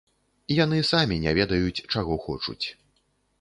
Яны самі не ведаюць, чаго хочуць.